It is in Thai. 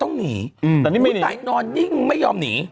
นี่เสียงนิ่งมาก